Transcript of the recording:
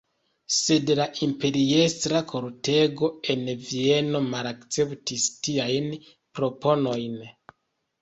Sed la imperiestra kortego en Vieno malakceptis tiajn proponojn.